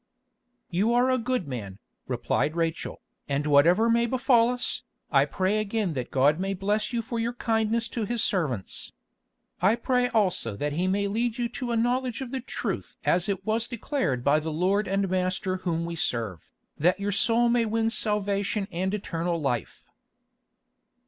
"You are a good man," replied Rachel, "and whatever may befall us, I pray again that God may bless you for your kindness to His servants. I pray also that He may lead you to a knowledge of the truth as it was declared by the Lord and Master Whom we serve, that your soul may win salvation and eternal life."